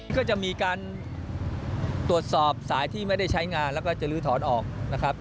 ก็จะมีการตรวจสอบสายที่ไม่ได้ใช้งานแล้วก็จะลื้อถอนออกนะครับ